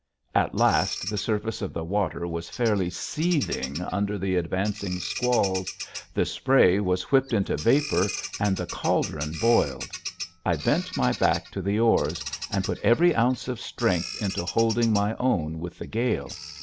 At last the surface of the water was fairly seething under the advancing squalls; the spray was whipped into vapor and the caldron boiled. I bent my back to the oars and put every ounce of strength into holding my own with the gale.